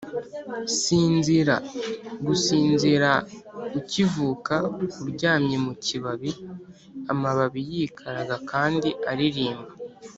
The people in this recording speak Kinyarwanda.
sinzira gusinzira ukivuka uryamye mu kibabi-amababi yikaraga kandi aririmba